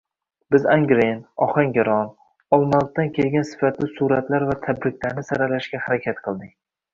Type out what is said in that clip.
Biz Angren, Ohangaron, Olmaliqdan kelgan sifatli suratlar va tabriklarni saralashga harakat qildik.